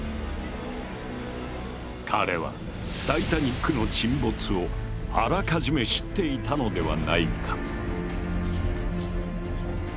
彼はタイタニックの沈没をあらかじめ知っていたのではないか？